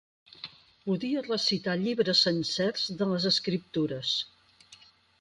Podia recitar llibres sencers de les escriptures.